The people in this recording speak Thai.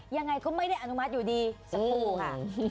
ยังไงก็ไม่ได้อนุมัติอยู่ดีสักครู่ค่ะ